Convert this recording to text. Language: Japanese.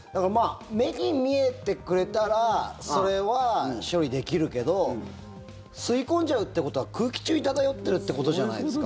目に見えてくれたらそれは処理できるけど吸い込んじゃうってことは空気中に漂ってるってことじゃないですか。